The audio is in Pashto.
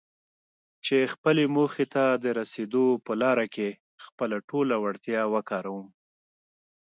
چې خپلې موخې ته د رسېدو په لاره کې خپله ټوله وړتيا وکاروم.